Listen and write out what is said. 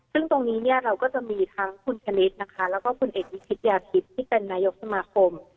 ซึ่งตรงนี้เราก็จะมีทั้งคุณคณิตนะคะและคุณเอกวิธีกิจนาธิตที่เป็นนายกสมครม